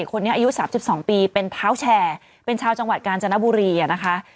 อายุ๓๒ปีเป็นเท้าแชร์เป็นชาวจังหวัดกาญจนบุรีนะคะ